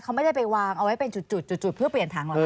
เขาไม่ได้ไปวางเอาไว้เป็นจุดเพื่อเปลี่ยนถังหรอกนะ